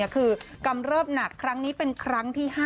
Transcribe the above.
คือกำเริบหนักครั้งนี้เป็นครั้งที่๕